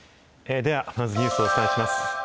では、まずニュースをお伝えします。